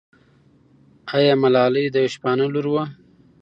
آیا ملالۍ د یوه شپانه لور وه؟